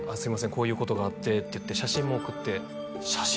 「こういうことがあって」って言って写真も送って写真？